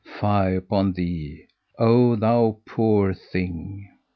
Fie upon thee, O thou poor thing!"